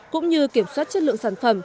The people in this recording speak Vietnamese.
cũng như kiểm soát chất lượng sản phẩm